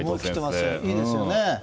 いいですよね。